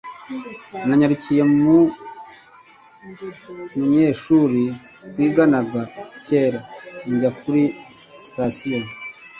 nanyarukiye mu munyeshuri twiganaga kera njya kuri sitasiyo